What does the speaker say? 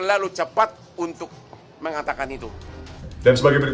berarti tidak berbalik itu menurutonya